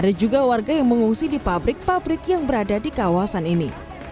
ada juga warga yang mengungsi di pabrik pabrik yang berada di kawasan ini